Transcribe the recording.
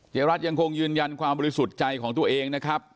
รัฐยังคงยืนยันความบริสุทธิ์ใจของตัวเองนะครับ